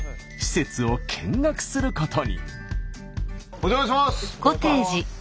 お邪魔します。